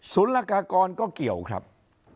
ละกากรก็เกี่ยวครับ